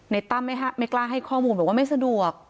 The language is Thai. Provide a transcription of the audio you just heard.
ตั้มไม่กล้าให้ข้อมูลบอกว่าไม่สะดวก